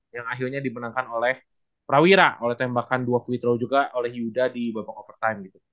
yang akhirnya dimenangkan oleh prawira oleh tembakan dua free throw juga oleh yuda di babak overtime